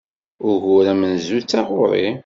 Ugur amenzu d taɣuri.